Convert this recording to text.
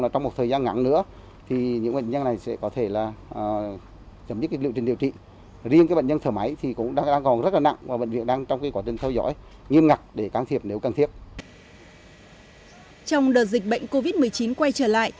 trong đợt dịch bệnh covid một mươi chín quay trở lại